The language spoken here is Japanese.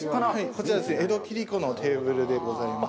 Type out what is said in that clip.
こちら江戸切子のテーブルでございます。